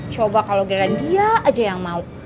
coba kalau gara gara dia aja yang mau